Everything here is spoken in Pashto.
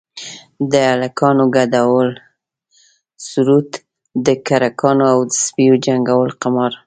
د هلکانو گډول سروذ د کرکانو او سپيو جنگول قمار.